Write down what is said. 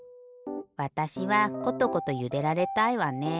わたしはコトコトゆでられたいわね。